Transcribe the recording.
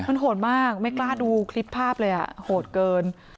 มันโหดมากไม่กล้าดูคลิปภาพเลยอ่ะโหดเกิน